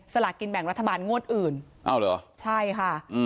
สลากินแบ่งรัฐบาลงวดอื่นอ้าวเหรอใช่ค่ะ